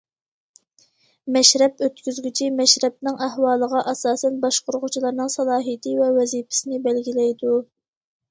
مەشرەپ ئۆتكۈزگۈچى مەشرەپنىڭ ئەھۋالىغا ئاساسەن باشقۇرغۇچىلارنىڭ سالاھىيىتى ۋە ۋەزىپىسىنى بەلگىلەيدۇ.